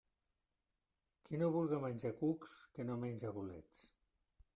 Qui no vulga menjar cucs, que no menge bolets.